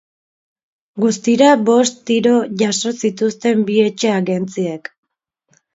Guztira, bost tiro jaso zituzten bi etxe agentziek.